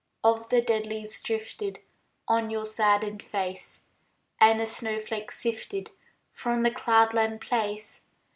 Of the dead leaves drifted On your saddened face, And the snow flakes sifted From the cloudland place?